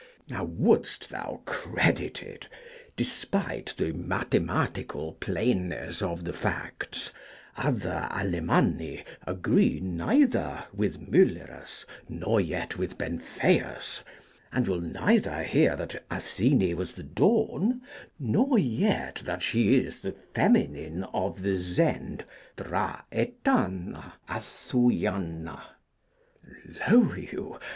Now, wouldst thou credit it? despite the mathematical plainness of the facts, other Alemanni agree neither with Muellerus, nor yet with Benfeius, and will neither hear that Athene was the Dawn, nor yet that she is 'the feminine of the Zend Thra'eta'na athwya'na.' Lo, you!